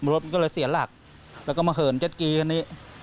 รถมันก็เลยเสียหลักแล้วก็มาเหินเจ็ดกี้กันนี้